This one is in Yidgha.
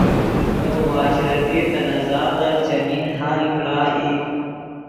ڤے معاشرتی تنازعاتف چیمین حل کڑا ای